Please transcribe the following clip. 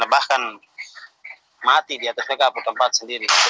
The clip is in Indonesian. bahkan mati di atas mereka